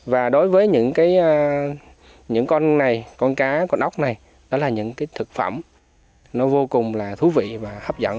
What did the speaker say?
và đối với những con này con cá con ốc này đó là những cái thực phẩm nó vô cùng là thú vị và hấp dẫn